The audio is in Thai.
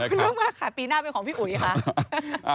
เรื่องมากค่ะปีหน้าเป็นของพี่อุ๋ยค่ะ